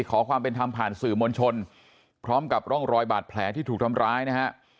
ขอความเป็นธรรมผ่านสื่อมวลชนพร้อมกับร่องรอยบาดแผลที่ถูกทำร้ายนะฮะ